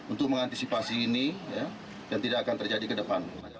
untuk mengantisipasi ini dan tidak akan terjadi ke depan